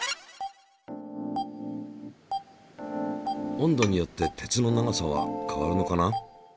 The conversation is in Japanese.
温度によって鉄の長さは変わるのかな？